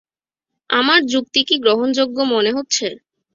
আমার যুক্তি কি গ্রহণযোগ্য মনে হচ্ছে?